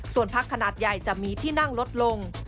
ส่วนพักขนาดใหญ่จะมีที่นั่งลดลง